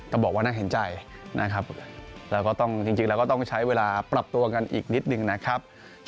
จะบอกว่าน่าเห็นใจนะครับเราก็ต้องใช้เวลาปรับตัวกันอีกนิดนึงนะครับ